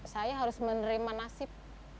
saya harus menerima nasib